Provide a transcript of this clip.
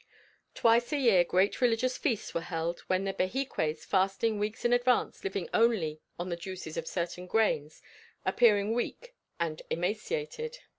Twice a year great religious feasts were held when the Behiques fasting weeks in advance living only on the juices of certain grains appearing weak and emaciated.